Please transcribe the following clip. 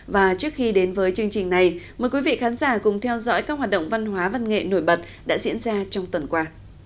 và trước khi đến với chương trình này mời quý vị khán giả cùng theo dõi các hoạt động văn hóa văn nghệ nổi bật đã diễn ra trong tuần qua